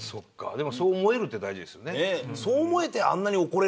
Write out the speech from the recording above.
でもそう思えるって大事ですよね。